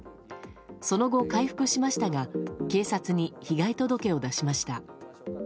その後、回復しましたが警察に被害届を出しました。